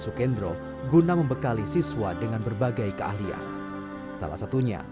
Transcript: sukendro guna membekali siswa dengan berbagai keahlian salah satunya